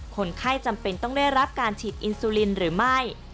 คนไข้จำเป็นต้องได้รับการฉีดอินซูลินหรือไม่